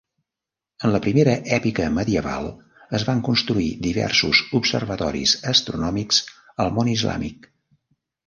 En la primera èpica medieval, es van construir diversos observatoris astronòmics al món islàmic.